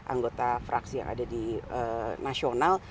anggota fraksi yang ada di nasional